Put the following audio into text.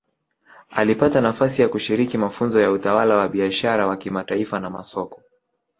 Alipata nafasi ya kushiriki mafunzo ya utawala wa biashara wa kimataifa na masoko